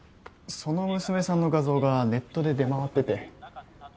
その娘さんの画像がネットで出回ってて。